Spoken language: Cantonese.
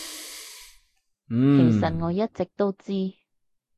其實我一直都知